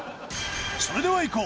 それではいこう。